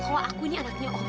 kalau aku ini anaknya om kan